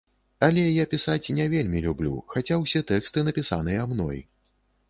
Але я пісаць не вельмі люблю, хаця ўсе тэксты напісаныя мной.